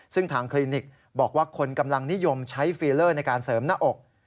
ซึ่งทางคลินิกบอกว่าคนกำลังนิยมใช้ฟีเลอร์ในการเสริมหน้าอก